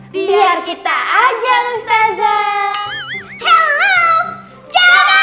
biar kita aja ustazah